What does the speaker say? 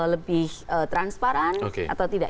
lebih transparan atau tidak